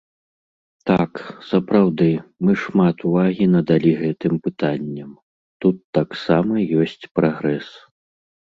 Так, сапраўды, мы шмат увагі надалі гэтым пытанням, тут таксама ёсць прагрэс.